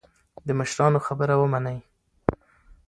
د مشرانو خبره ومنئ.